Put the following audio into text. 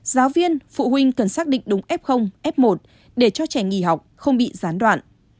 giáo viên phụ huynh cần xác định đúng f f một để cho trẻ nghỉ học không bị gián đoạn